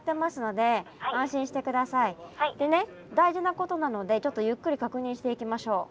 でね大事なことなのでちょっとゆっくり確認していきましょう。